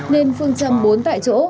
nên phương châm bốn tại chỗ